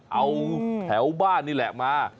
เอาแถวบ้านนี่แหละมา